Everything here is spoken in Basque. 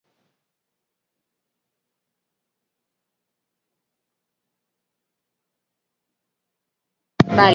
Bertan, lau gizon agertzen dira ibiltzen ezpata dantzarako jarreraz.